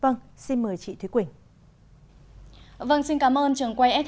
vâng xin mời chị thúy quỳnh